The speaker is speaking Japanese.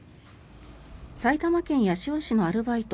埼玉県八潮市のアルバイト